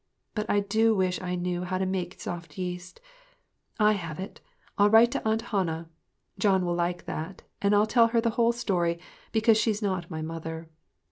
But I do wish I knew how to make soft yeast. I have it ! I'll write to Aunt Hannah. John will like that, and I'll tell her the whole story, because she is not my mother."